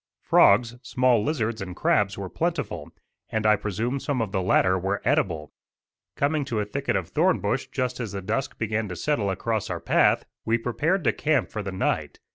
Frogs, small lizards and crabs were plentiful, and I presume some of the latter were edible. Coming to a thicket of thorn bush just as the dusk began to settle across our path, we prepared to camp for the night.